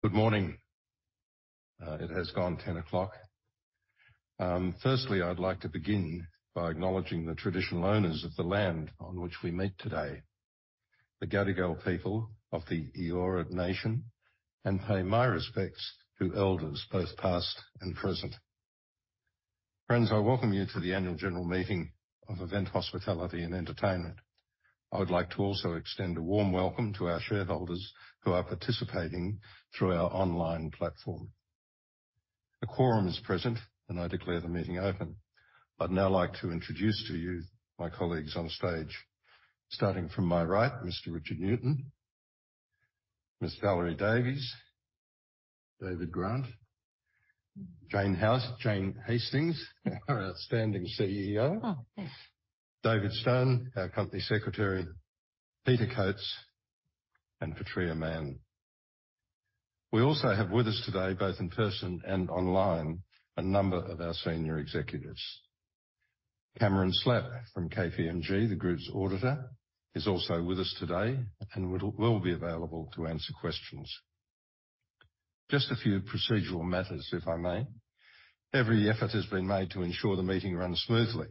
Good morning. It has gone 10 o'clock. Firstly, I'd like to begin by acknowledging the traditional owners of the land on which we meet today, the Gadigal people of the Eora nation, and pay my respects to elders both past and present. Friends, I welcome you to the Annual General Meeting of Event Hospitality & Entertainment. I would like to also extend a warm welcome to our shareholders who are participating through our online platform. A quorum is present, and I declare the meeting open. I'd now like to introduce to you my colleagues on stage. Starting from my right, Mr. Richard Newton, Ms. Valerie Davies, David Grant, Jane Hastings, our outstanding CEO. Oh, yes. David Stone, our Company Secretary, Peter Coates, and Patria Mann. We also have with us today, both in person and online, a number of our senior executives. Cameron Slatter from KPMG, the group's auditor, is also with us today and will be available to answer questions. Just a few procedural matters, if I may. Every effort has been made to ensure the meeting runs smoothly.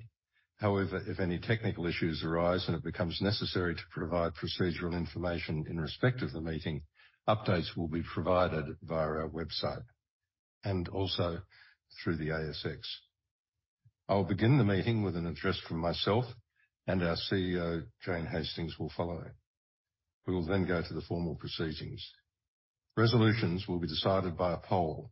However, if any technical issues arise and it becomes necessary to provide procedural information in respect of the meeting, updates will be provided via our website and also through the ASX. I'll begin the meeting with an address from myself and our CEO, Jane Hastings, will follow. We will then go to the formal proceedings. Resolutions will be decided by a poll.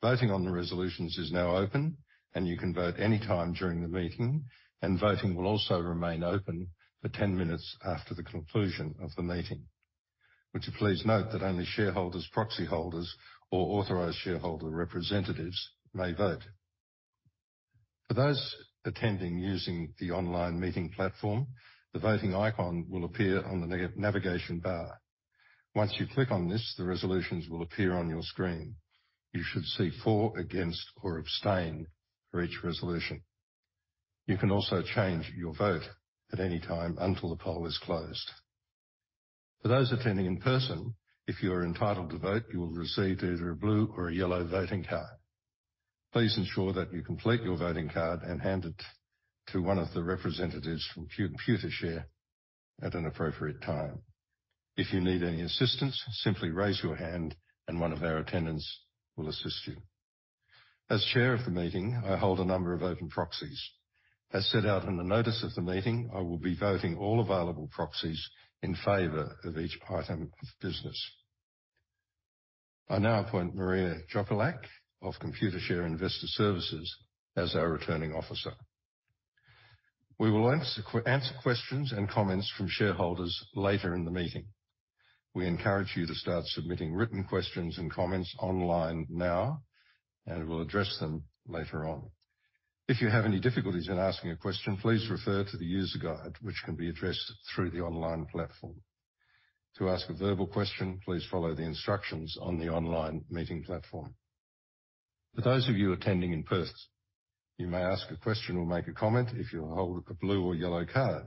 Voting on the resolutions is now open, and you can vote any time during the meeting, and voting will also remain open for 10 minutes after the conclusion of the meeting. Would you please note that only shareholders, proxy holders or authorized shareholder representatives may vote. For those attending using the online meeting platform, the voting icon will appear on the navigation bar. Once you click on this, the resolutions will appear on your screen. You should see for, against, or abstain for each resolution. You can also change your vote at any time until the poll is closed. For those attending in person, if you are entitled to vote, you will receive either a blue or a yellow voting card. Please ensure that you complete your voting card and hand it to one of the representatives from Computershare at an appropriate time. If you need any assistance, simply raise your hand and one of our attendants will assist you. As chair of the meeting, I hold a number of open proxies. As set out in the notice of the meeting, I will be voting all available proxies in favor of each item of business. I now appoint Maria Jokelak of Computershare Investor Services as our Returning Officer. We will answer questions and comments from shareholders later in the meeting. We encourage you to start submitting written questions and comments online now, and we'll address them later on. If you have any difficulties in asking a question, please refer to the user guide, which can be addressed through the online platform. To ask a verbal question, please follow the instructions on the online meeting platform. For those of you attending in person, you may ask a question or make a comment if you hold a blue or yellow card.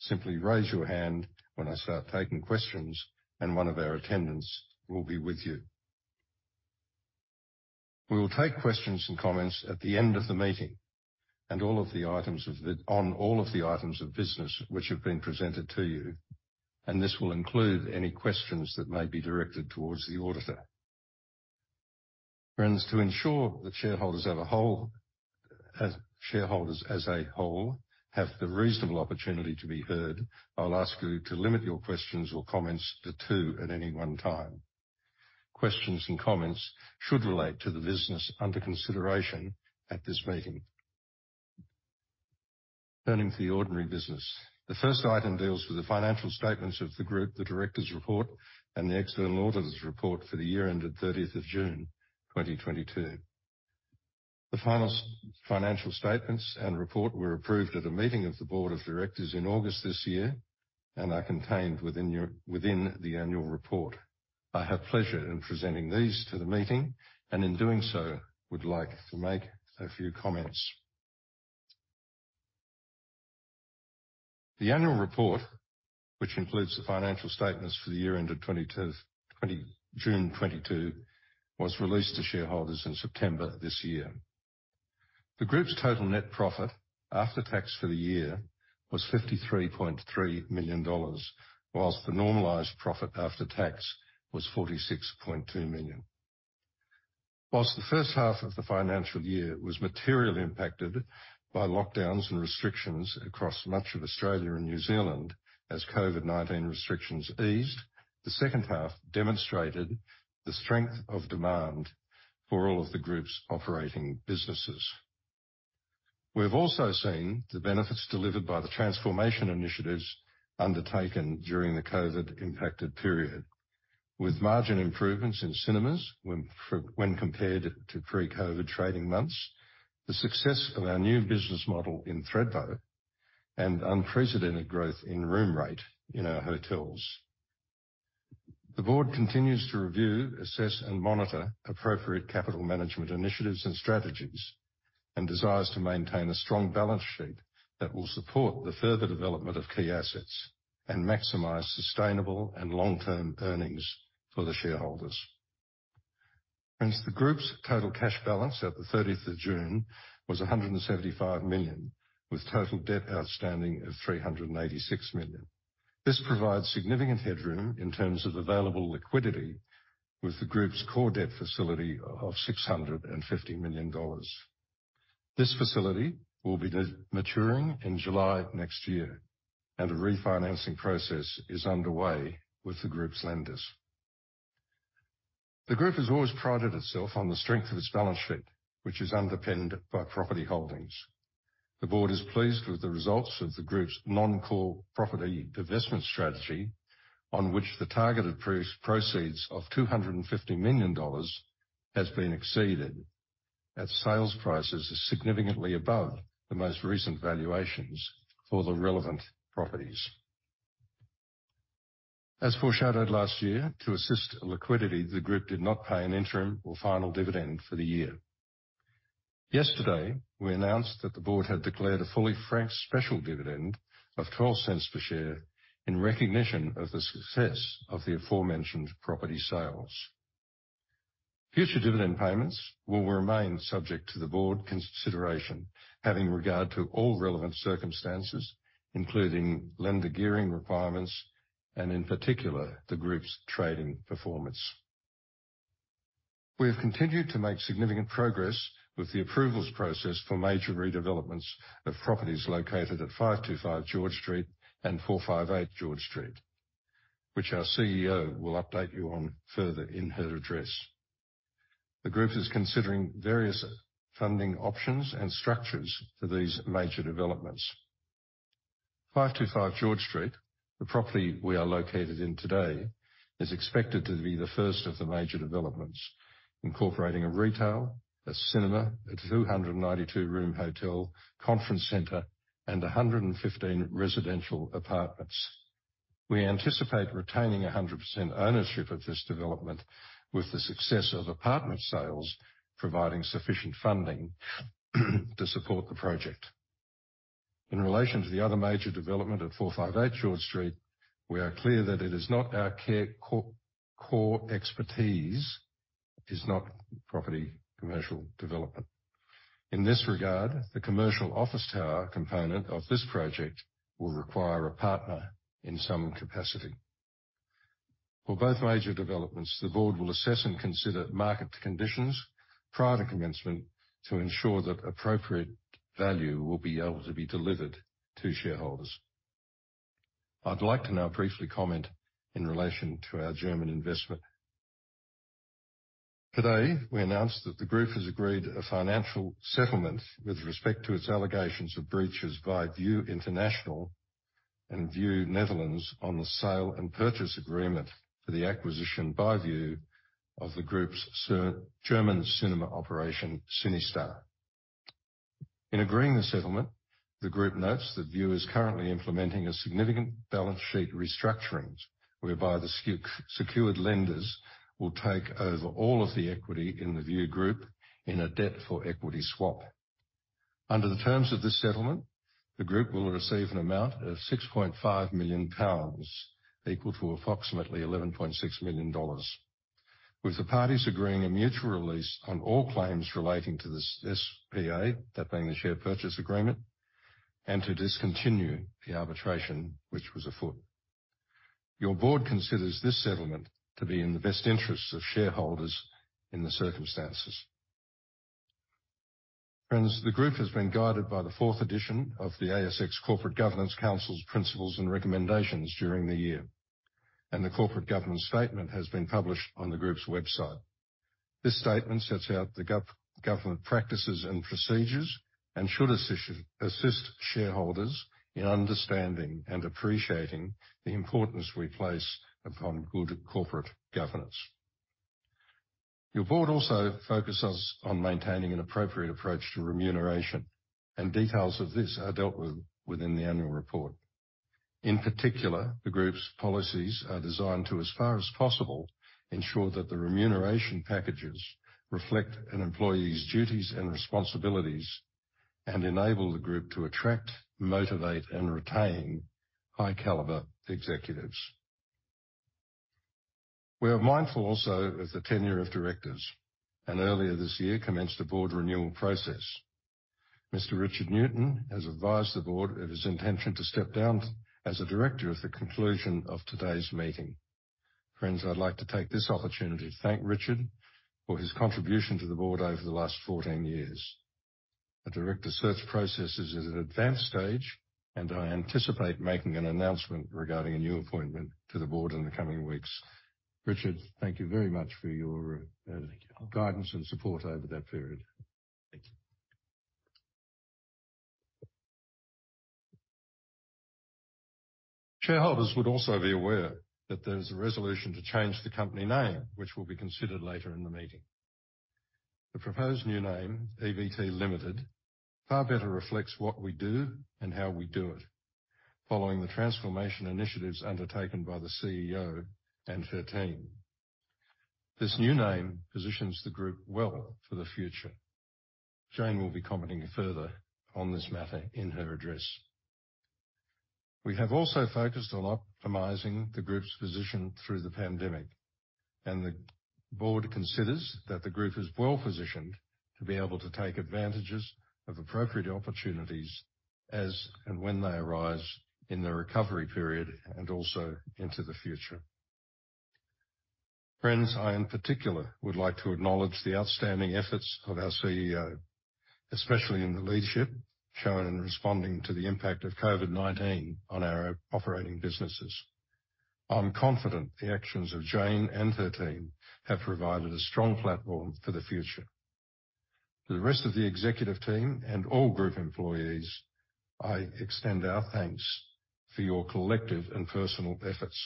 Simply raise your hand when I start taking questions and one of our attendants will be with you. We will take questions and comments at the end of the meeting, and on all of the items of business which have been presented to you, and this will include any questions that may be directed towards the auditor. Friends, to ensure that shareholders as a whole have the reasonable opportunity to be heard, I'll ask you to limit your questions or comments to two at any one time. Questions and comments should relate to the business under consideration at this meeting. Turning to the ordinary business. The first item deals with the financial statements of the group, the director's report, and the external auditor's report for the year ended 30th of June 2022. The final financial statements and report were approved at a meeting of the board of directors in August this year and are contained within the annual report. I have pleasure in presenting these to the meeting and in doing so would like to make a few comments. The annual report, which includes the financial statements for the year ended June 2022, was released to shareholders in September this year. The group's total net profit after tax for the year was 53.3 million dollars, whilst the normalized profit after tax was 46.2 million. While the first half of the financial year was materially impacted by lockdowns and restrictions across much of Australia and New Zealand, as COVID-19 restrictions eased, the second half demonstrated the strength of demand for all of the group's operating businesses. We've also seen the benefits delivered by the transformation initiatives undertaken during the COVID-impacted period. With margin improvements in cinemas when compared to pre-COVID trading months, the success of our new business model in Thredbo and unprecedented growth in room rate in our hotels. The board continues to review, assess and monitor appropriate capital management initiatives and strategies and desires to maintain a strong balance sheet that will support the further development of key assets and maximize sustainable and long-term earnings for the shareholders. Hence, the group's total cash balance at the 13th of June was 175 million, with total debt outstanding of 386 million. This provides significant headroom in terms of available liquidity with the group's core debt facility of 650 million dollars. This facility will be maturing in July next year, and a refinancing process is underway with the group's lenders. The group has always prided itself on the strength of its balance sheet, which is underpinned by property holdings. The board is pleased with the results of the group's non-core property divestment strategy, on which the targeted proceeds of 250 million dollars has been exceeded, as sales prices are significantly above the most recent valuations for the relevant properties. As foreshadowed last year, to assist liquidity, the group did not pay an interim or final dividend for the year. Yesterday, we announced that the board had declared a fully franked special dividend of 0.12 per share in recognition of the success of the aforementioned property sales. Future dividend payments will remain subject to the board's consideration, having regard to all relevant circumstances, including lender gearing requirements and in particular, the group's trading performance. We have continued to make significant progress with the approvals process for major redevelopments of properties located at 525 George Street and 458 George Street, which our CEO will update you on further in her address. The group is considering various funding options and structures for these major developments. 525 George Street, the property we are located in today, is expected to be the first of the major developments, incorporating a retail, a cinema, a 292-room hotel, conference center, and 115 residential apartments. We anticipate retaining 100% ownership of this development with the success of apartment sales, providing sufficient funding to support the project. In relation to the other major development at 458 George Street, we are clear that it is not our core expertise. It is not property commercial development. In this regard, the commercial office tower component of this project will require a partner in some capacity. For both major developments, the board will assess and consider market conditions prior to commencement to ensure that appropriate value will be able to be delivered to shareholders. I'd like to now briefly comment in relation to our German investment. Today, we announced that the group has agreed a financial settlement with respect to its allegations of breaches by Vue International and Vue Nederland on the sale and purchase agreement for the acquisition by Vue of the group's German cinema operation, CineStar. In agreeing the settlement, the group notes that Vue is currently implementing a significant balance sheet restructuring, whereby the secured lenders will take over all of the equity in the Vue Group in a debt for equity swap. Under the terms of this settlement, the group will receive an amount of 6.5 million pounds, equal to approximately 11.6 million dollars, with the parties agreeing a mutual release on all claims relating to this SPA, that being the share purchase agreement, and to discontinue the arbitration, which was afoot. Your board considers this settlement to be in the best interest of shareholders in the circumstances. Friends, the group has been guided by the fourth edition of the ASX Corporate Governance Council's principles and recommendations during the year, and the corporate governance statement has been published on the group's website. This statement sets out the government practices and procedures and should assist shareholders in understanding and appreciating the importance we place upon good corporate governance. Your board also focuses on maintaining an appropriate approach to remuneration, and details of this are dealt with within the annual report. In particular, the group's policies are designed to, as far as possible, ensure that the remuneration packages reflect an employee's duties and responsibilities and enable the group to attract, motivate, and retain high caliber executives. We are mindful also of the tenure of directors and earlier this year, commenced a board renewal process. Mr. Richard Newton has advised the board of his intention to step down as a director at the conclusion of today's meeting. Friends, I'd like to take this opportunity to thank Richard for his contribution to the board over the last 14 years. The director search process is at an advanced stage, and I anticipate making an announcement regarding a new appointment to the board in the coming weeks. Richard, thank you very much for your Thank you, Alan Rydge. Guidance and support over that period. Thank you. Shareholders would also be aware that there is a resolution to change the company name, which will be considered later in the meeting. The proposed new name, EVT Limited, far better reflects what we do and how we do it following the transformation initiatives undertaken by the CEO and her team. This new name positions the group well for the future. Jane will be commenting further on this matter in her address. We have also focused on optimizing the group's position through the pandemic, and the board considers that the group is well-positioned to be able to take advantages of appropriate opportunities as and when they arise in the recovery period, and also into the future. Friends, I, in particular, would like to acknowledge the outstanding efforts of our CEO, especially in the leadership shown in responding to the impact of COVID-19 on our operating businesses. I'm confident the actions of Jane and her team have provided a strong platform for the future. To the rest of the executive team and all group employees, I extend our thanks for your collective and personal efforts.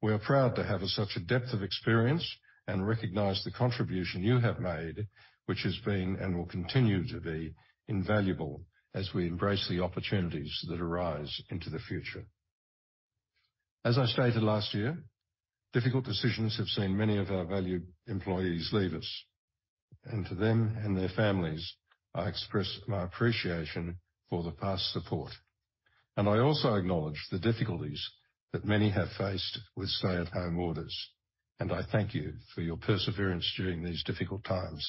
We are proud to have such a depth of experience and recognize the contribution you have made, which has been and will continue to be invaluable as we embrace the opportunities that arise into the future. As I stated last year, difficult decisions have seen many of our valued employees leave us. To them and their families, I express my appreciation for the past support. I also acknowledge the difficulties that many have faced with stay-at-home orders. I thank you for your perseverance during these difficult times.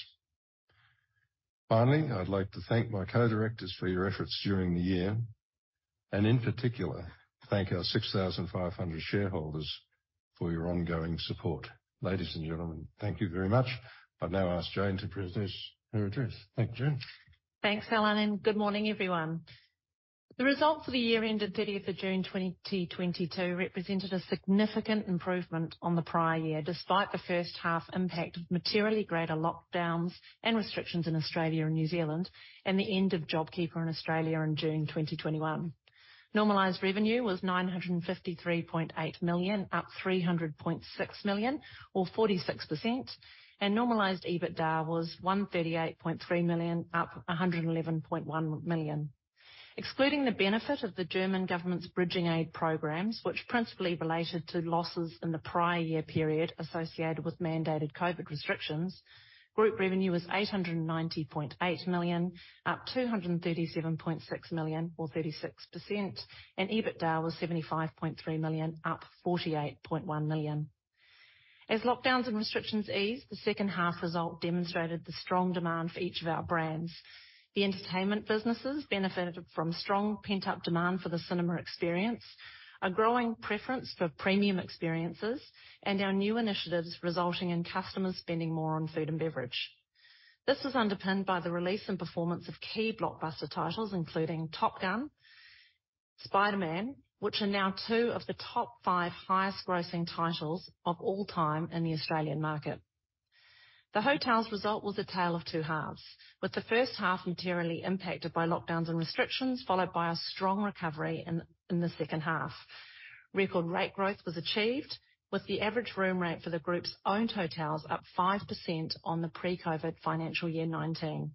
Finally, I'd like to thank my co-directors for your efforts during the year. In particular, thank our 6,500 shareholders for your ongoing support. Ladies and gentlemen, thank you very much. I now ask Jane to present her address. Thank you. Jane. Thanks, Alan, and good morning, everyone. The results for the year ended 30th June 2022 represented a significant improvement on the prior year, despite the first half impact of materially greater lockdowns and restrictions in Australia and New Zealand and the end of JobKeeper in Australia in June 2021. Normalized revenue was AUD 953.8 million, up AUD 300.6 million or 46%. Normalized EBITDA was AUD 138.3 million, up AUD 111.1 million. Excluding the benefit of the German government's bridging aid programs, which principally related to losses in the prior year period associated with mandated COVID restrictions, group revenue was 890.8 million, up 237.6 million or 36%, and EBITDA was 75.3 million, up 48.1 million. As lockdowns and restrictions eased, the second half result demonstrated the strong demand for each of our brands. The entertainment businesses benefited from strong pent-up demand for the cinema experience, a growing preference for premium experiences, and our new initiatives resulting in customers spending more on food and beverage. This was underpinned by the release and performance of key blockbuster titles including Top Gun: Maverick, Spider-Man: No Way Home, which are now two of the top five highest grossing titles of all time in the Australian market. The hotel's result was a tale of two halves, with the first half materially impacted by lockdowns and restrictions, followed by a strong recovery in the second half. Record rate growth was achieved with the average room rate for the group's owned hotels up 5% on the pre-COVID financial year 2019.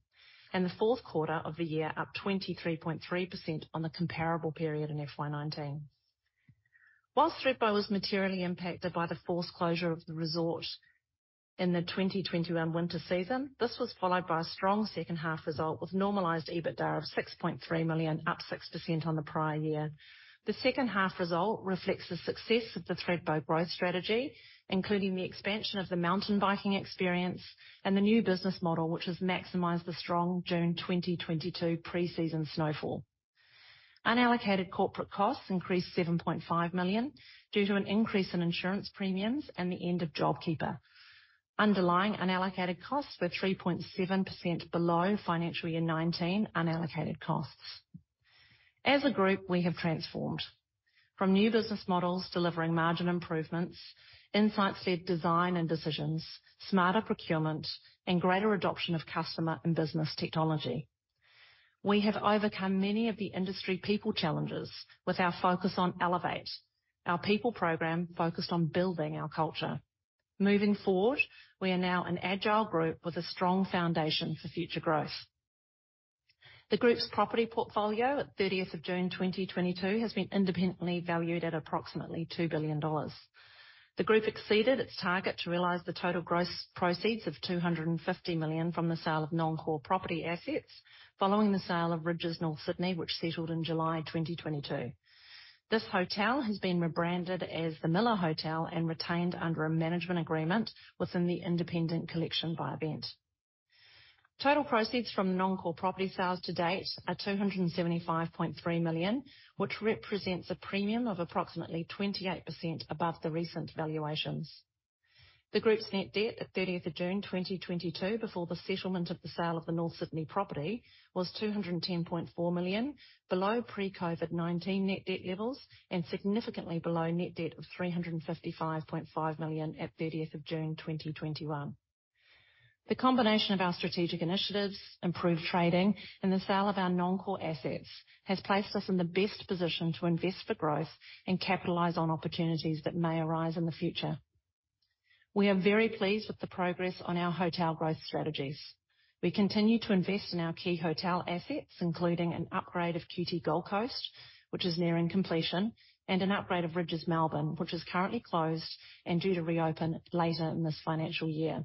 The fourth quarter of the year up 23.3% on the comparable period in FY 2019. While Thredbo was materially impacted by the forced closure of the resort in the 2021 winter season, this was followed by a strong second half result with normalized EBITDA of 6.3 million, up 6% on the prior year. The second half result reflects the success of the Thredbo growth strategy, including the expansion of the mountain biking experience and the new business model, which has maximized the strong June 2022 pre-season snowfall. Unallocated corporate costs increased 7.5 million due to an increase in insurance premiums and the end of JobKeeper. Underlying unallocated costs were 3.7% below financial year 2019 unallocated costs. As a group, we have transformed through new business models, delivering margin improvements, insight-led design and decisions, smarter procurement, and greater adoption of customer and business technology. We have overcome many of the industry people challenges with our focus on Elevate. Our people program focused on building our culture. Moving forward, we are now an agile group with a strong foundation for future growth. The group's property portfolio at 30th June 2022 has been independently valued at approximately 2 billion dollars. The group exceeded its target to realize the total gross proceeds of 250 million from the sale of non-core property assets following the sale of Rydges North Sydney, which settled in July 2022. This hotel has been rebranded as The Miller Hotel and retained under a management agreement within the Independent Collection by EVT. Total proceeds from non-core property sales to date are 275.3 million, which represents a premium of approximately 28% above the recent valuations. The group's net debt at 30th of June 2022 before the settlement of the sale of the North Sydney property was 210.4 million below pre-COVID-19 net debt levels and significantly below net debt of 355.5 million at 30th of June 2021. The combination of our strategic initiatives, improved trading, and the sale of our non-core assets has placed us in the best position to invest for growth and capitalize on opportunities that may arise in the future. We are very pleased with the progress on our hotel growth strategies. We continue to invest in our key hotel assets, including an upgrade of QT Gold Coast, which is nearing completion, and an upgrade of Rydges Melbourne, which is currently closed and due to reopen later in this financial year.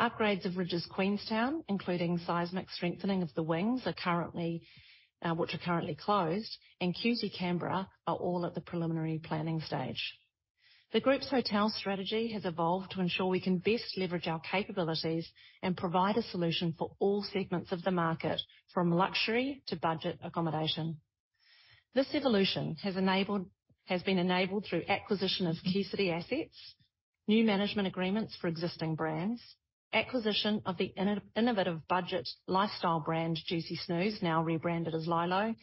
Upgrades of Rydges Queenstown, including seismic strengthening of the wings, which are currently closed, and QT Canberra are all at the preliminary planning stage. The group's hotel strategy has evolved to ensure we can best leverage our capabilities and provide a solution for all segments of the market, from luxury to budget accommodation. This evolution has been enabled through acquisition of key city assets, new management agreements for existing brands, acquisition of the innovative budget lifestyle brand Jucy Snooze, now rebranded as LyLo,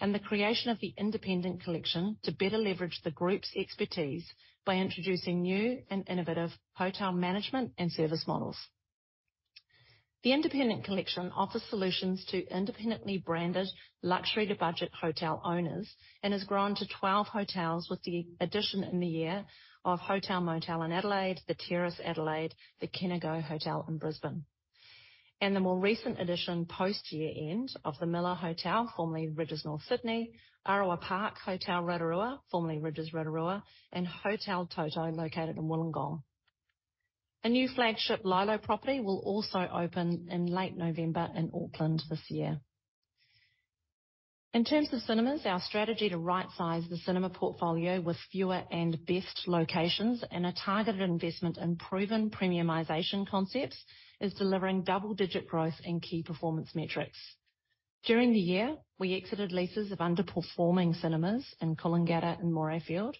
and the creation of the Independent Collection to better leverage the group's expertise by introducing new and innovative hotel management and service models. The Independent Collection offers solutions to independently branded luxury to budget hotel owners and has grown to 12 hotels with the addition in the year of HotelMOTEL in Adelaide, The Terrace Hotel Adelaide, The Point Brisbane Hotel in Brisbane. The more recent addition post year-end of The Miller Hotel, formerly Rydges North Sydney, Arawa Park Hotel Rotorua, formerly Rydges Rotorua, and Hotel TOTTO, located in Wollongong. A new flagship LyLo property will also open in late November in Auckland this year. In terms of cinemas, our strategy to right-size the cinema portfolio with fewer and best locations and a targeted investment in proven premiumization concepts is delivering double-digit growth in key performance metrics. During the year, we exited leases of underperforming cinemas in Coolangatta and Morayfield.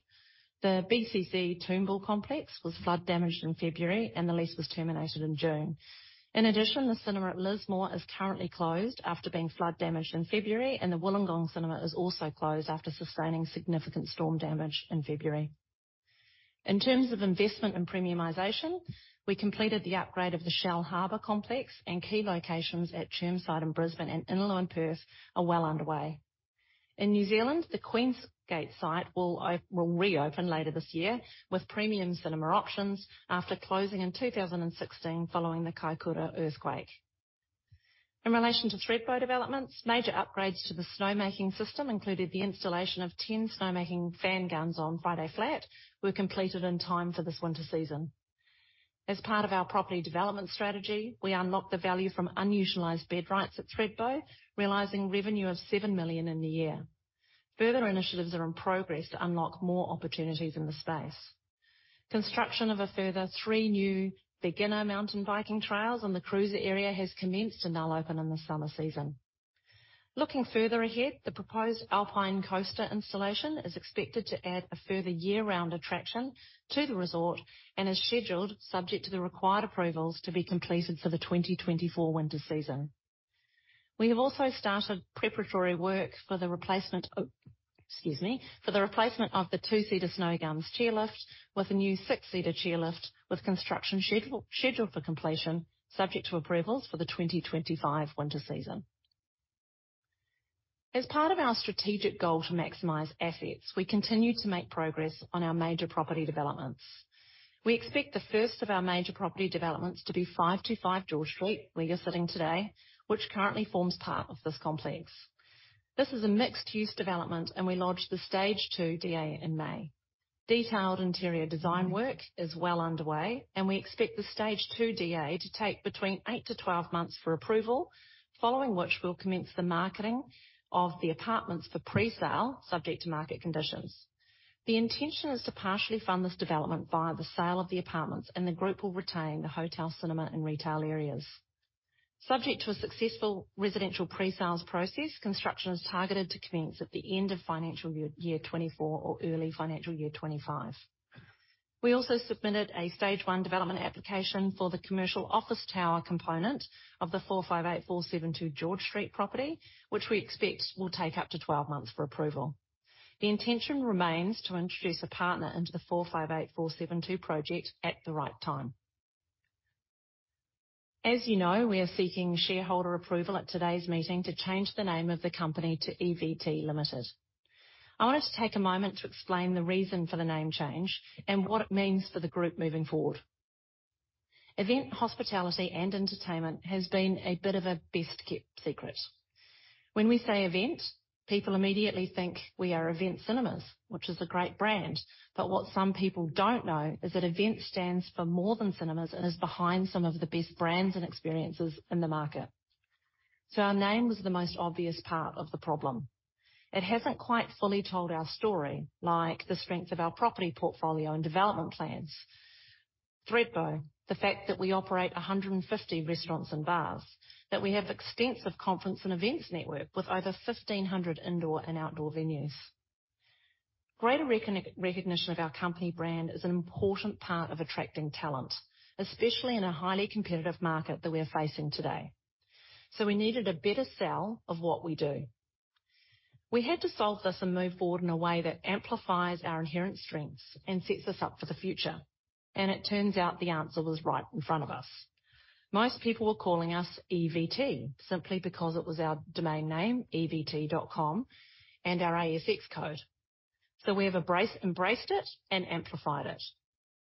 The BCC Toombul complex was flood-damaged in February, and the lease was terminated in June. In addition, the cinema at Lismore is currently closed after being flood-damaged in February, and the Wollongong Cinema is also closed after sustaining significant storm damage in February. In terms of investment and premiumization, we completed the upgrade of the Shellharbour complex, and key locations at Chermside in Brisbane and Innaloo in Perth are well underway. In New Zealand, the Queensgate site will reopen later this year with premium cinema options after closing in 2016 following the Kaikoura earthquake. In relation to Thredbo developments, major upgrades to the snowmaking system, including the installation of 10 snowmaking fan guns on Friday Flat, were completed in time for this winter season. As part of our property development strategy, we unlocked the value from unutilized bed rights at Thredbo, realizing revenue of 7 million in the year. Further initiatives are in progress to unlock more opportunities in the space. Construction of a further three new beginner mountain biking trails in the cruiser area has commenced and they'll open in the summer season. Looking further ahead, the proposed Alpine Coaster installation is expected to add a further year-round attraction to the resort and is scheduled subject to the required approvals to be completed for the 2024 winter season. We have also started preparatory work for the replacement of the two-seater Snowgums chairlift with a new six-seater chairlift, with construction scheduled for completion subject to approvals for the 2025 winter season. As part of our strategic goal to maximize assets, we continue to make progress on our major property developments. We expect the first of our major property developments to be 525 George Street, where you're sitting today, which currently forms part of this complex. This is a mixed-use development, and we launched the Stage Two DA in May. Detailed interior design work is well underway, and we expect the Stage Two DA to take between eight-12 months for approval, following which we'll commence the marketing of the apartments for presale subject to market conditions. The intention is to partially fund this development via the sale of the apartments, and the group will retain the hotel, cinema, and retail areas. Subject to a successful residential presales process, construction is targeted to commence at the end of financial year 2024 or early financial year 2025. We also submitted a Stage One development application for the commercial office tower component of the 458-472 George Street property, which we expect will take up to 12 months for approval. The intention remains to introduce a partner into the 458472 project at the right time. As you know, we are seeking shareholder approval at today's meeting to change the name of the company to EVT Limited. I wanted to take a moment to explain the reason for the name change and what it means for the group moving forward. Event Hospitality & Entertainment has been a bit of a best-kept secret. When we say Event, people immediately think we are Event Cinemas, which is a great brand. What some people don't know is that Event stands for more than cinemas and is behind some of the best brands and experiences in the market. Our name was the most obvious part of the problem. It hasn't quite fully told our story, like the strength of our property portfolio and development plans, Thredbo, the fact that we operate 150 restaurants and bars, that we have extensive conference and events network with over 1,500 indoor and outdoor venues. Greater recognition of our company brand is an important part of attracting talent, especially in a highly competitive market that we are facing today. We needed a better sell of what we do. We had to solve this and move forward in a way that amplifies our inherent strengths and sets us up for the future. It turns out the answer was right in front of us. Most people were calling us EVT simply because it was our domain name, evt.com and our ASX code. We have embraced it and amplified it.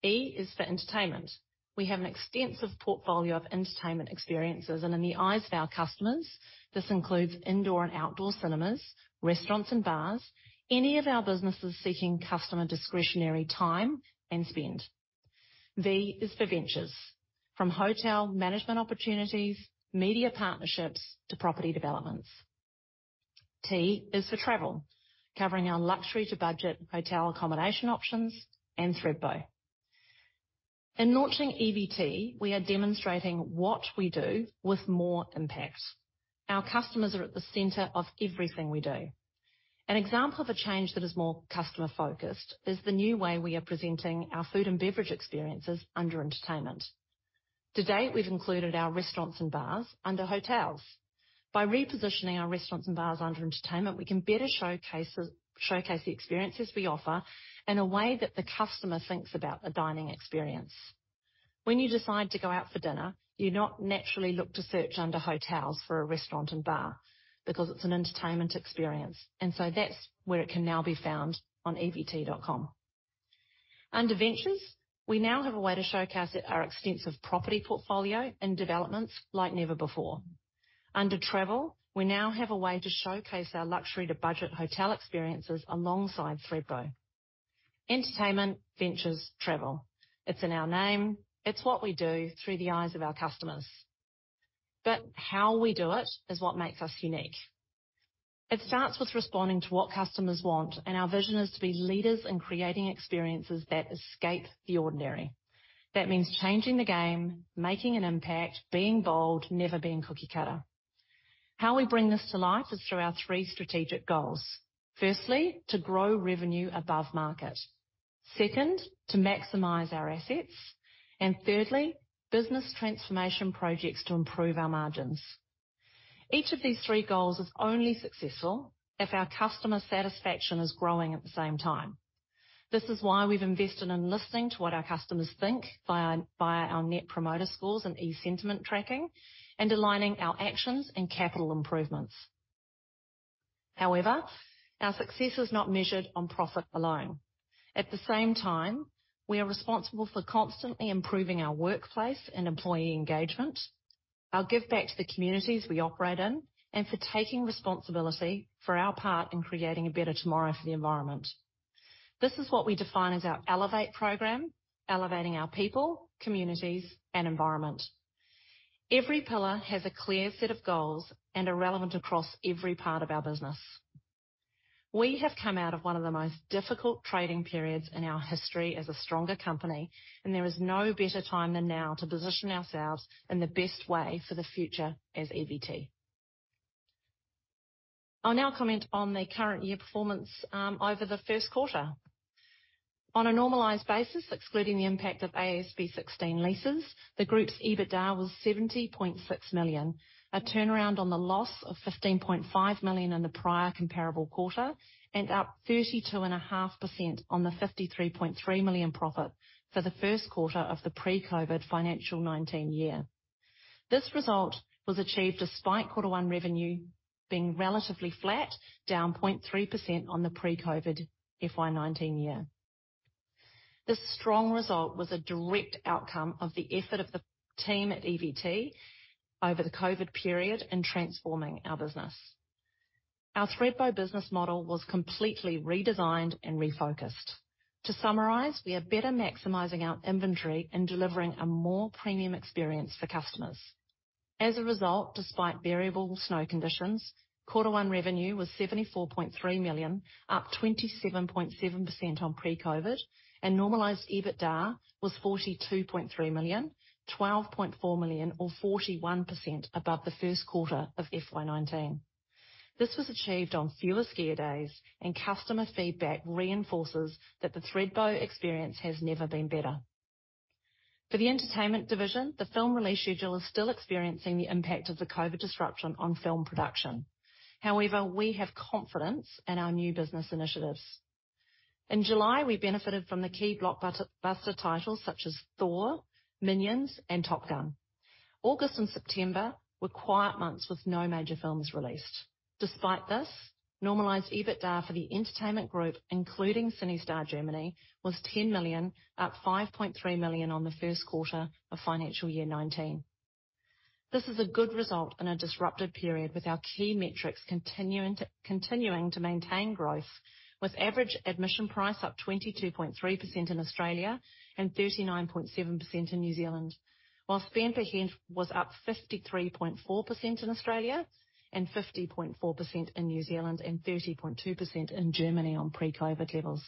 E is for entertainment. We have an extensive portfolio of entertainment experiences. In the eyes of our customers, this includes indoor and outdoor cinemas, restaurants and bars, any of our businesses seeking customer discretionary time and spend. V is for ventures. From hotel management opportunities, media partnerships to property developments. T is for travel, covering our luxury to budget hotel accommodation options and Thredbo. In launching EVT, we are demonstrating what we do with more impact. Our customers are at the center of everything we do. An example of a change that is more customer-focused is the new way we are presenting our food and beverage experiences under entertainment. To date, we've included our restaurants and bars under hotels. By repositioning our restaurants and bars under entertainment, we can better showcase the experiences we offer in a way that the customer thinks about a dining experience. When you decide to go out for dinner, you don't naturally look to search under hotels for a restaurant and bar because it's an entertainment experience, and so that's where it can now be found on evt.com. Under ventures, we now have a way to showcase our extensive property portfolio and developments like never before. Under travel, we now have a way to showcase our luxury to budget hotel experiences alongside Thredbo. Entertainment, Ventures, Travel. It's in our name. It's what we do through the eyes of our customers. How we do it is what makes us unique. It starts with responding to what customers want, and our vision is to be leaders in creating experiences that escape the ordinary. That means changing the game, making an impact, being bold, never being cookie-cutter. How we bring this to life is through our three strategic goals. Firstly, to grow revenue above market. Second, to maximize our assets. Thirdly, business transformation projects to improve our margins. Each of these three goals is only successful if our customer satisfaction is growing at the same time. This is why we've invested in listening to what our customers think via our Net Promoter Score and Sentiment tracking, and aligning our actions and capital improvements. However, our success is not measured on profit alone. At the same time, we are responsible for constantly improving our workplace and employee engagement. We give back to the communities we operate in and for taking responsibility for our part in creating a better tomorrow for the environment. This is what we define as our Elevate program, elevating our people, communities, and environment. Every pillar has a clear set of goals and are relevant across every part of our business. We have come out of one of the most difficult trading periods in our history as a stronger company, and there is no better time than now to position ourselves in the best way for the future as EVT. I'll now comment on the current year performance over the first quarter. On a normalized basis, excluding the impact of AASB 16 leases, the group's EBITDA was 70.6 million, a turnaround on the loss of 15.5 million in the prior comparable quarter, and up 32.5% on the 53.3 million profit for the first quarter of the pre-COVID financial 2019 year. This result was achieved despite quarter one revenue being relatively flat, down 0.3% on the pre-COVID FY 2019 year. This strong result was a direct outcome of the effort of the team at EVT over the COVID period in transforming our business. Our Thredbo business model was completely redesigned and refocused. To summarize, we are better maximizing our inventory and delivering a more premium experience for customers. As a result, despite variable snow conditions, quarter 1 revenue was 74.3 million, up 27.7% on pre-COVID, and normalized EBITDA was 42.3 million, 12.4 million, or 41% above the first quarter of FY 2019. This was achieved on fewer skier days, and customer feedback reinforces that the Thredbo experience has never been better. For the entertainment division, the film release schedule is still experiencing the impact of the COVID disruption on film production. However, we have confidence in our new business initiatives. In July, we benefited from the key blockbuster titles such as Thor, Minions, and Top Gun. August and September were quiet months with no major films released. Despite this, normalized EBITDA for the entertainment group, including CineStar Germany, was 10 million, up 5.3 million on the first quarter of financial year 2019. This is a good result in a disruptive period with our key metrics continuing to maintain growth, with average admission price up 22.3% in Australia and 39.7% in New Zealand. Spend per head was up 53.4% in Australia and 50.4% in New Zealand and 30.2% in Germany on pre-COVID levels.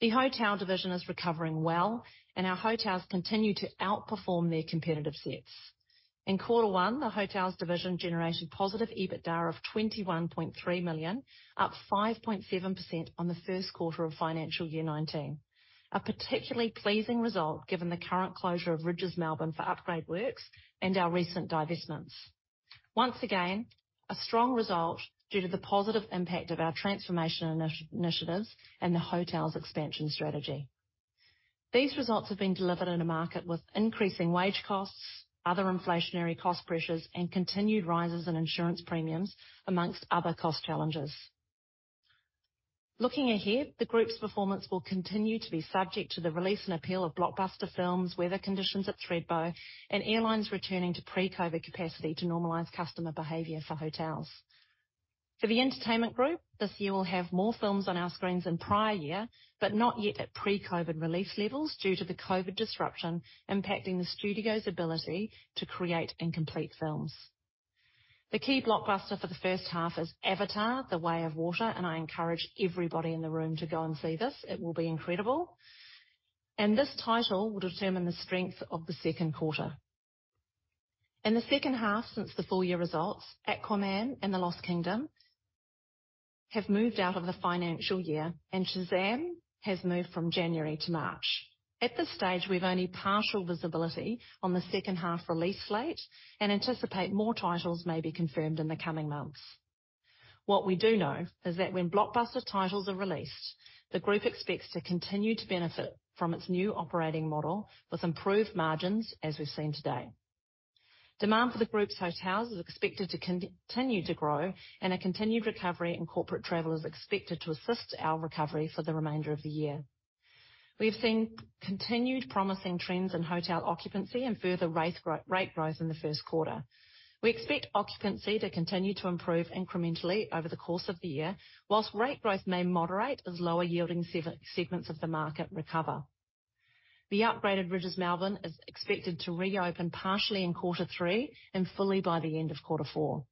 The hotel division is recovering well, and our hotels continue to outperform their competitive sets. In quarter one, the hotels division generated positive EBITDA of 21.3 million, up 5.7% on the first quarter of financial year 2019. A particularly pleasing result given the current closure of Rydges Melbourne for upgrade works and our recent divestments. Once again, a strong result due to the positive impact of our transformation initiatives and the hotel's expansion strategy. These results have been delivered in a market with increasing wage costs, other inflationary cost pressures, and continued rises in insurance premiums among other cost challenges. Looking ahead, the group's performance will continue to be subject to the release and appeal of blockbuster films, weather conditions at Thredbo, and airlines returning to pre-COVID capacity to normalize customer behavior for hotels. For the entertainment group, this year we'll have more films on our screens than prior year, but not yet at pre-COVID release levels due to the COVID disruption impacting the studios' ability to create and complete films. The key blockbuster for the first half is Avatar: The Way of Water, and I encourage everybody in the room to go and see this. It will be incredible. This title will determine the strength of the second quarter. In the second half since the full year results, Aquaman and the Lost Kingdom have moved out of the financial year, and Shazam has moved from January to March. At this stage, we have only partial visibility on the second half release slate and anticipate more titles may be confirmed in the coming months. What we do know is that when blockbuster titles are released, the group expects to continue to benefit from its new operating model with improved margins, as we've seen today. Demand for the group's hotels is expected to continue to grow and a continued recovery in corporate travel is expected to assist our recovery for the remainder of the year. We have seen continued promising trends in hotel occupancy and further rate growth in the first quarter. We expect occupancy to continue to improve incrementally over the course of the year, while rate growth may moderate as lower yielding segments of the market recover. The upgraded Rydges Melbourne is expected to reopen partially in quarter three and fully by the end of quarter four.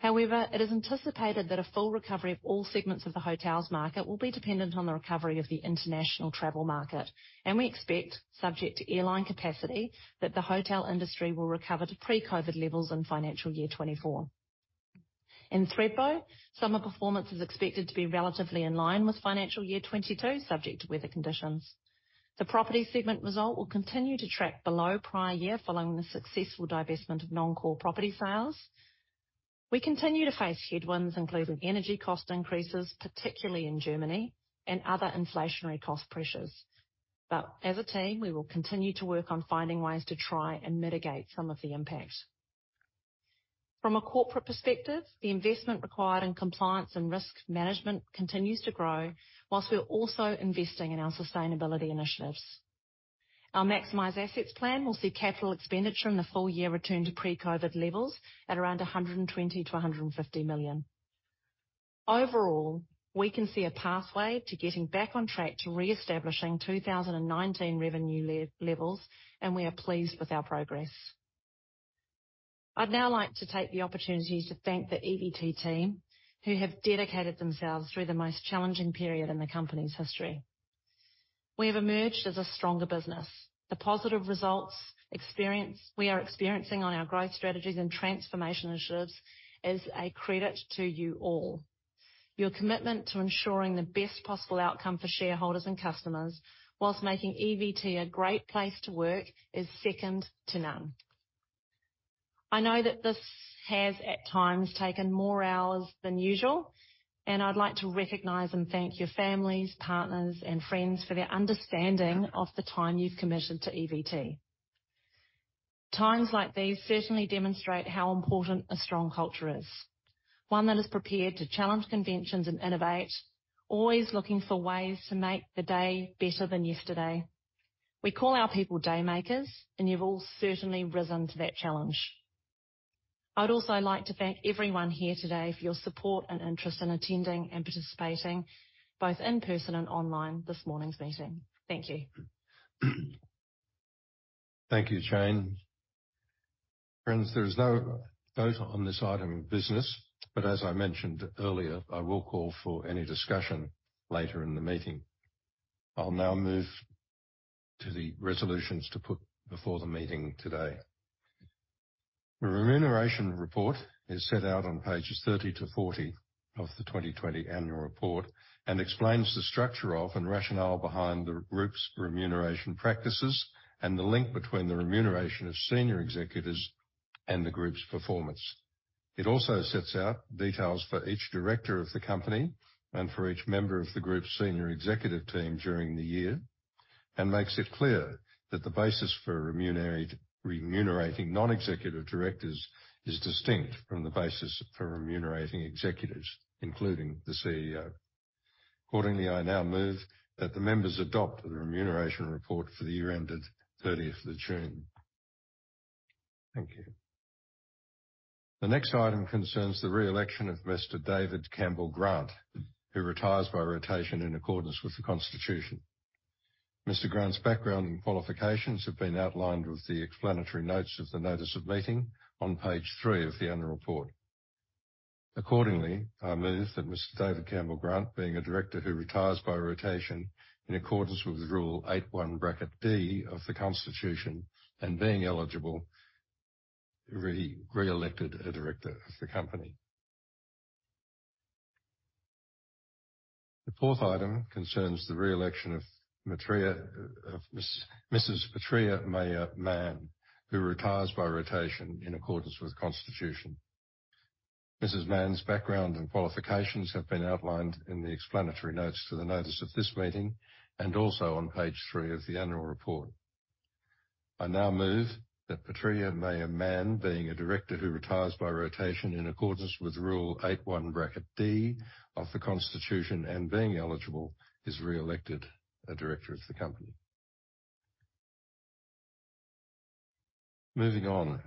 However, it is anticipated that a full recovery of all segments of the hotels market will be dependent on the recovery of the international travel market, and we expect, subject to airline capacity, that the hotel industry will recover to pre-COVID levels in financial year 2024. In Thredbo, summer performance is expected to be relatively in line with financial year 2022, subject to weather conditions. The property segment result will continue to track below prior year following the successful divestment of non-core property sales. We continue to face headwinds, including energy cost increases, particularly in Germany and other inflationary cost pressures. As a team, we will continue to work on finding ways to try and mitigate some of the impact. From a corporate perspective, the investment required in compliance and risk management continues to grow, while we're also investing in our sustainability initiatives. Our maximize assets plan will see capital expenditure in the full year return to pre-COVID levels at around 120 million-150 million. Overall, we can see a pathway to getting back on track to reestablishing 2019 revenue levels, and we are pleased with our progress. I'd now like to take the opportunity to thank the EVT team who have dedicated themselves through the most challenging period in the company's history. We have emerged as a stronger business. The positive results we are experiencing on our growth strategies and transformation initiatives is a credit to you all. Your commitment to ensuring the best possible outcome for shareholders and customers while making EVT a great place to work is second to none. I know that this has at times taken more hours than usual, and I'd like to recognize and thank your families, partners, and friends for their understanding of the time you've committed to EVT. Times like these certainly demonstrate how important a strong culture is, one that is prepared to challenge conventions and innovate, always looking for ways to make the day better than yesterday. We call our people Daymakers, and you've all certainly risen to that challenge. I'd also like to thank everyone here today for your support and interest in attending and participating both in person and online this morning's meeting. Thank you. Thank you, Jane. Friends, there is no vote on this item of business, but as I mentioned earlier, I will call for any discussion later in the meeting. I'll now move to the resolutions to put before the meeting today. The remuneration report is set out on pages 30 to 40 of the 2020 annual report and explains the structure of and rationale behind the group's remuneration practices and the link between the remuneration of senior executives and the group's performance. It also sets out details for each director of the company and for each member of the group's senior executive team during the year, and makes it clear that the basis for remunerating non-executive directors is distinct from the basis for remunerating executives, including the CEO. Accordingly, I now move that the members adopt the remuneration report for the year ended 30th of June. Thank you. The next item concerns the reelection of Mr. David Grant, who retires by rotation in accordance with the constitution. Mr. Grant's background and qualifications have been outlined with the explanatory notes of the notice of meeting on page 3 of the annual report. Accordingly, I move that Mr. David Grant, being a director who retires by rotation in accordance with Rule 81(d) of the constitution, and being eligible, be re-elected a director of the company. The fourth item concerns the reelection of Mrs. Patria Mann, who retires by rotation in accordance with the constitution. Mrs. Mann's background and qualifications have been outlined in the explanatory notes to the notice of this meeting, and also on page 3 of the annual report. I now move that Patria Maija Mann, being a director who retires by rotation in accordance with Rule 81(d) of the Constitution, and being eligible, is re-elected a director of the company. Moving on.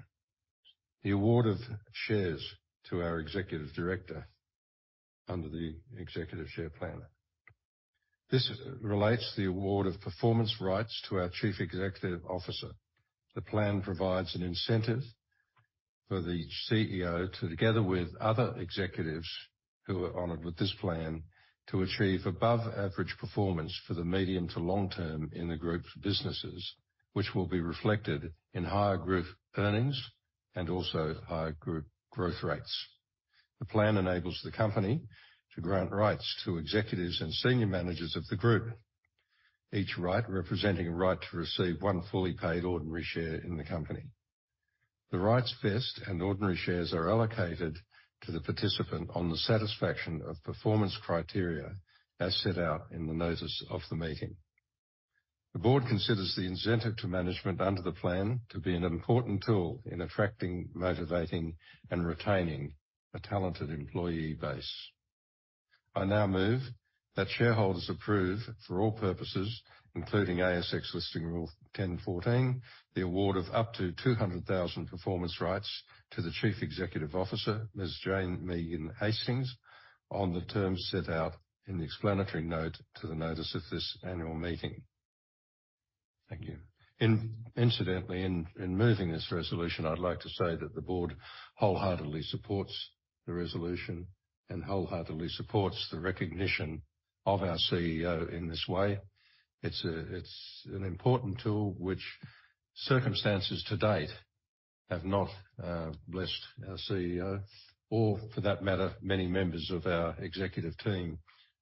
The award of shares to our executive director under the Executive Share Plan. This relates to the award of performance rights to our Chief Executive Officer. The plan provides an incentive for the CEO to, together with other executives who are honored with this plan, to achieve above average performance for the medium- to long-term in the group's businesses, which will be reflected in higher group earnings and also higher group growth rates. The plan enables the company to grant rights to executives and senior managers of the group. Each right representing a right to receive one fully paid ordinary share in the company. The rights vest and ordinary shares are allocated to the participant on the satisfaction of performance criteria as set out in the notice of the meeting. The board considers the incentive to management under the plan to be an important tool in attracting, motivating, and retaining a talented employee base. I now move that shareholders approve for all purposes, including ASX Listing Rule 10.14, the award of up to 200,000 performance rights to the Chief Executive Officer, Ms. Jane Megan Hastings, on the terms set out in the explanatory note to the notice of this annual meeting. Thank you. Incidentally, in moving this resolution, I'd like to say that the board wholeheartedly supports the resolution and wholeheartedly supports the recognition of our CEO in this way. It's an important tool which circumstances to date have not blessed our CEO or, for that matter, many members of our executive team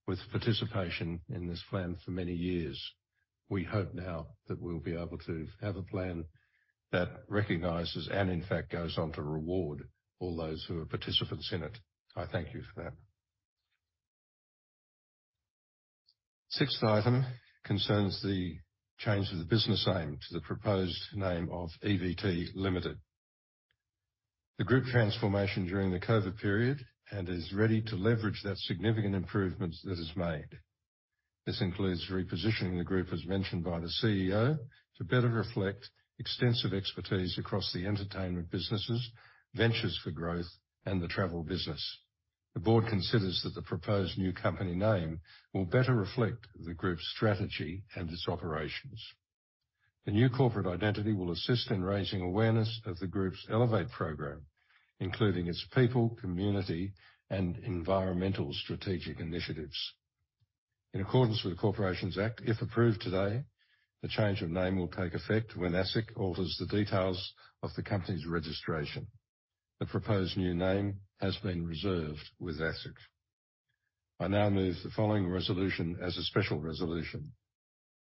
with participation in this plan for many years. We hope now that we'll be able to have a plan that recognizes and in fact goes on to reward all those who are participants in it. I thank you for that. Sixth item concerns the change of the business name to the proposed name of EVT Limited. The group transformation during the COVID period and is ready to leverage the significant improvements that it has made. This includes repositioning the group, as mentioned by the CEO, to better reflect extensive expertise across the entertainment businesses, ventures for growth and the travel business. The board considers that the proposed new company name will better reflect the group's strategy and its operations. The new corporate identity will assist in raising awareness of the group's Elevate program, including its people, community, and environmental strategic initiatives. In accordance with the Corporations Act, if approved today, the change of name will take effect when ASIC alters the details of the company's registration. The proposed new name has been reserved with ASIC. I now move the following resolution as a special resolution.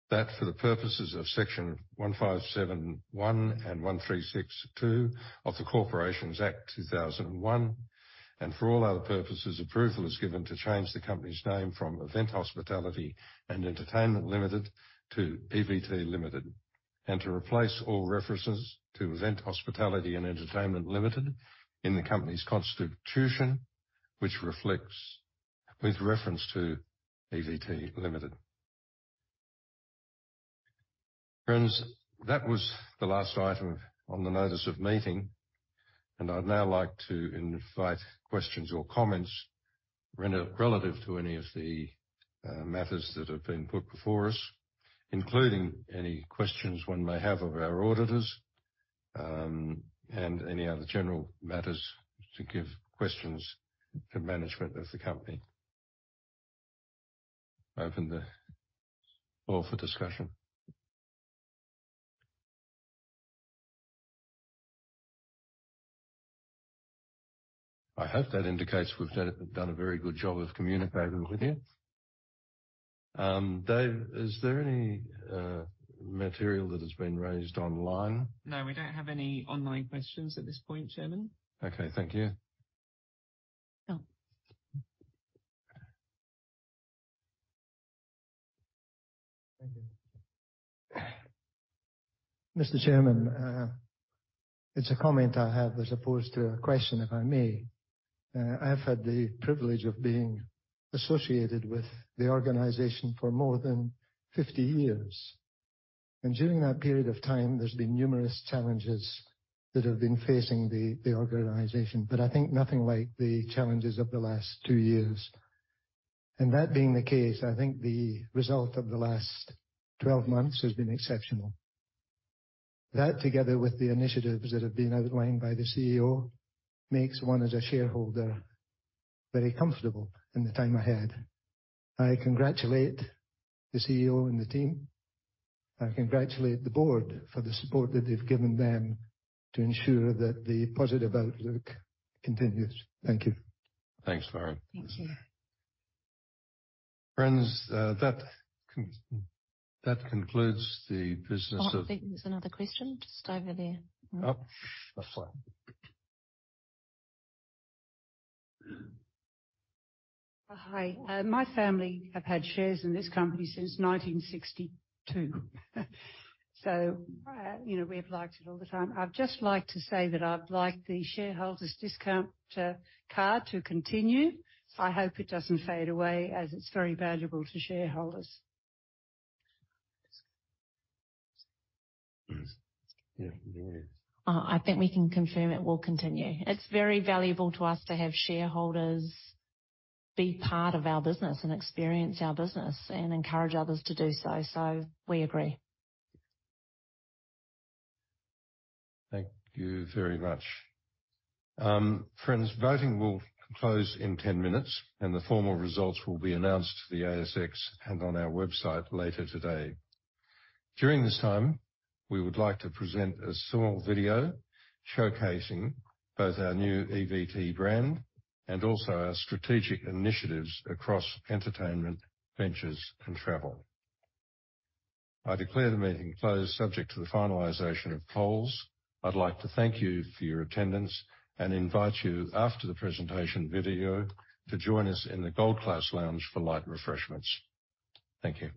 That for the purposes of Section 157(1) and 136(2) of the Corporations Act 2001, and for all other purposes, approval is given to change the company's name from Event Hospitality & Entertainment Limited to EVT Limited, and to replace all references to Event Hospitality & Entertainment Limited in the company's constitution with references to EVT Limited. Friends, that was the last item on the notice of meeting, and I'd now like to invite questions or comments relative to any of the matters that have been put before us, including any questions one may have of our auditors, and any other general matters to give questions to management of the company. Open the floor for discussion. I hope that indicates we've done a very good job of communicating with you. Dave, is there any material that has been raised online? No, we don't have any online questions at this point, Chairman. Okay. Thank you. Oh. Thank you. Mr. Chairman, it's a comment I have as opposed to a question, if I may. I've had the privilege of being associated with the organization for more than 50 years. During that period of time, there's been numerous challenges that have been facing the organization, but I think nothing like the challenges of the last two years. That being the case, I think the result of the last 12 months has been exceptional. That, together with the initiatives that have been outlined by the CEO, makes one as a shareholder very comfortable in the time ahead. I congratulate the CEO and the team. I congratulate the board for the support that they've given them to ensure that the positive outlook continues. Thank you. Thanks, Warren. Thank you. Friends, that concludes the business of Oh, I think there's another question just over there. Oh. That's fine. Hi. My family have had shares in this company since 1962. You know, we have liked it all the time. I'd just like to say that I'd like the shareholders discount card to continue. I hope it doesn't fade away as it's very valuable to shareholders. Yes. I think we can confirm it will continue. It's very valuable to us to have shareholders be part of our business and experience our business and encourage others to do so. We agree. Thank you very much. Friends, voting will close in 10 minutes, and the formal results will be announced to the ASX and on our website later today. During this time, we would like to present a small video showcasing both our new EVT brand and also our strategic initiatives across entertainment, ventures, and travel. I declare the meeting closed subject to the finalization of polls. I'd like to thank you for your attendance and invite you after the presentation video to join us in the Gold Class lounge for light refreshments. Thank you.